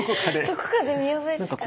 どこかで見覚えですか？